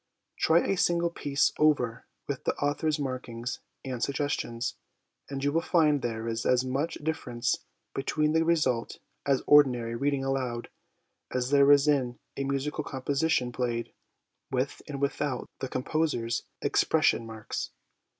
Try a single piece over with the author's markings and suggestions, and you will find there is as much difference between the result and ordinary reading aloud as there is in a musical composition played with and without the composer's expression marks.